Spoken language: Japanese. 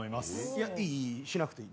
いや、いい、しなくていい。